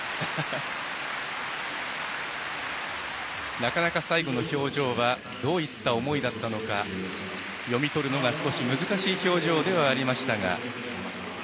なかなか、最後の表情はどういった思いだったのか読み取るのが少し難しい表情ではありましたが。